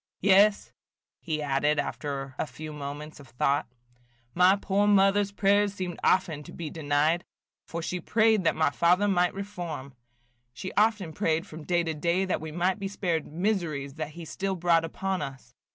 Yes," he added, after a few moments of thought, "my poor mother's prayers seemed often to be denied, for she prayed that my father might reform. She often prayed from day to day that we might be spared miseries that he still brought upon us.